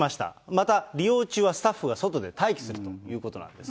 また利用中はスタッフが外で待機するということなんです。